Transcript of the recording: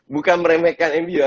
bukan meremehkan mu ya